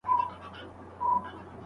د قانون په اساس مجرمه نه سي